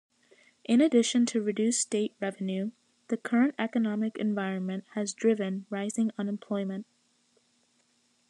In addition to reduced state revenue, the current economic environment has driven rising unemployment.